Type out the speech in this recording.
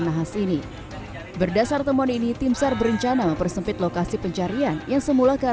nahas ini berdasar teman ini timsar berencana mempersempit lokasi pencarian yang semula ke